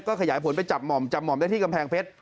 ขยายผลไปจับหม่อมจับห่อมได้ที่กำแพงเพชร